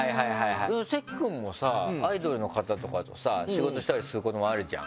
関くんもさアイドルの方とかとさ仕事したりすることもあるじゃん。